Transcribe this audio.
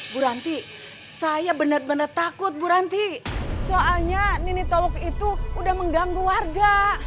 buranti saya bener bener takut buranti soalnya nini tawong itu udah mengganggu warga